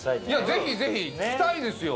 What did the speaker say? ぜひぜひ！来たいですよ。